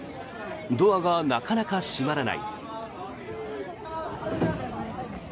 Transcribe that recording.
ドアがなかなか閉まらない。